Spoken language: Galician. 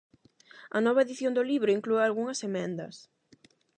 A nova edición do libro inclúe algunhas emendas.